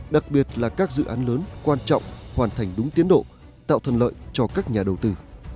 đặc biệt là các dự án lớn quan trọng hoàn thành đúng tiến độ tạo thuận lợi cho các nhà đầu tư